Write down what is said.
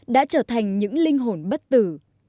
đã trở thành những linh hồn bất tử